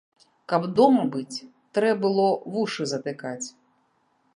Каб дома быць, трэ было вушы затыкаць.